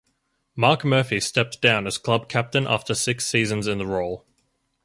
Marc Murphy stepped down as club captain after six seasons in the role.